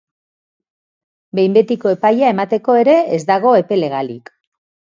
Behin betiko epaia emateko ere ez dago epe legalik.